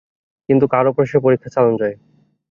কিন্তু কার ওপর সে পরীক্ষা চালানো যায়?